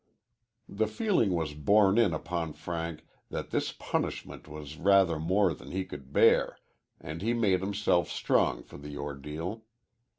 The feeling was borne in upon Frank that this punishment was rather more than he could bear, and he made himself strong for the ordeal.